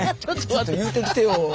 ちょっと言うてきてよ。